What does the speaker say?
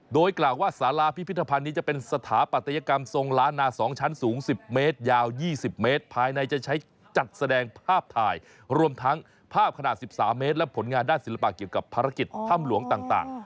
โดยกล่าวว่าสาราพิพิธภัณฑ์นี้จะเป็นสถาปัตยกรรมทรงล้านนา๒ชั้นสูง๑๐เมตรยาว๒๐เมตรภายในจะใช้จัดแสดงภาพถ่ายรวมทั้งภาพขนาด๑๓เมตรและผลงานด้านศิลปะเกี่ยวกับภารกิจถ้ำหลวงต่าง